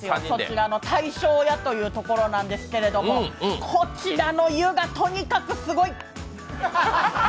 そちらの大正屋というところなんですけれども、こちらの湯がとにかくすごい！